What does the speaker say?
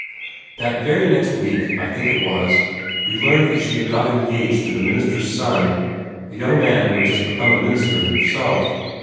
That very next week, I think it was, we learned that she had got engaged to the minister's son a young man who had just become a minister himself.